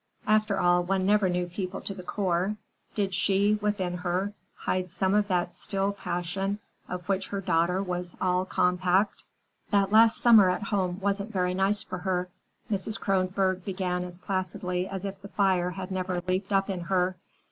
After all, one never knew people to the core. Did she, within her, hide some of that still passion of which her daughter was all compact? "That last summer at home wasn't very nice for her," Mrs. Kronborg began as placidly as if the fire had never leaped up in her.